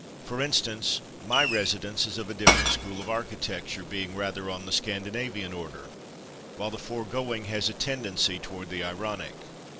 For instance, my residence is of a different school of architecture, being rather on the Scandinavian order, while the foregoing has a tendency toward the Ironic.